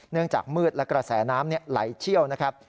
เนื่องจากมืดและกระแสน้ำไหลเชี่ยวนะครับ